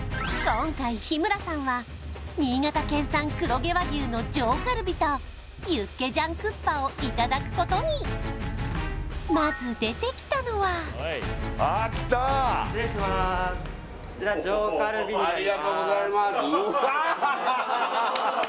今回日村さんは新潟県産黒毛和牛の上カルビとユッケジャンクッパをいただくことにまず出てきたのは・失礼しまーすありがとうございます